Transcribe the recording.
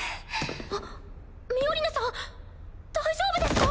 あっミオリネさん大丈夫ですか？